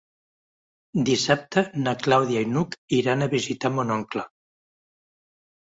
Dissabte na Clàudia i n'Hug iran a visitar mon oncle.